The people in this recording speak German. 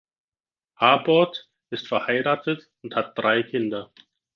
Harbort ist verheiratet und hat drei Kinder.